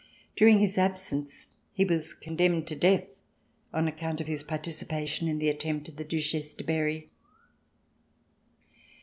During his absence, he was condemned to death on account of his participation in the attempt of the Duchesse de Berry.